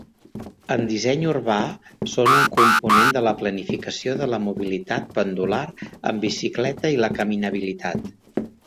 En disseny urbà, són un component de la planificació de la mobilitat pendular en bicicleta i la caminabilitat.